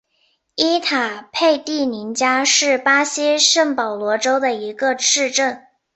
伊塔佩蒂宁加是巴西圣保罗州的一个市镇。